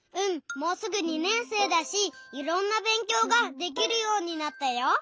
もうすぐ２年生だしいろんなべんきょうができるようになったよ！